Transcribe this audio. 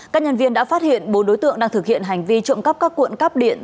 các nhân viên đã phát hiện bốn đối tượng đang thực hiện hành vi trộm cắp các cuộn cắp điện